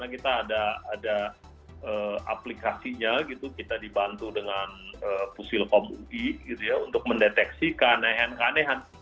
pasti bisa karena kita ada aplikasinya gitu kita dibantu dengan pusil komui gitu ya untuk mendeteksi keanehan keanehan